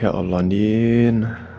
ya allah andien